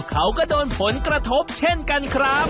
เขาก็โดนผลกระทบเช่นกันครับ